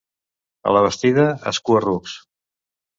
A la Bastida, escua-rucs.